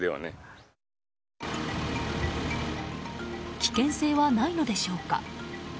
危険性はないのでしょうか。